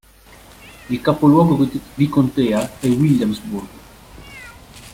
Il capoluogo di contea è Williamsburg